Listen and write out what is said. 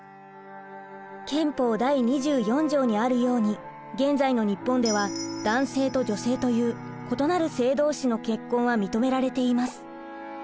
憲法第２４条にあるように現在の日本では男性と女性という異なる性同士の結婚は認められています。